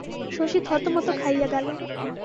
শশী থতমথত খাইয়া গেল।